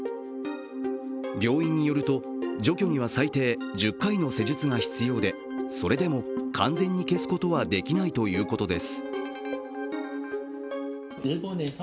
病院によると、除去には最低１０回の施術が必要でそれでも完全に消すことはできないということです。